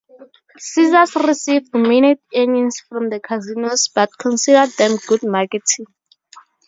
Caesars received "minute" earnings from the casinos, but considered them good marketing.